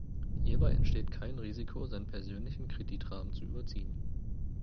Hierbei entsteht kein Risiko, seinen persönlichen Kreditrahmen zu überziehen.